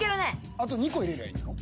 あと２個入れりゃいいんだろ。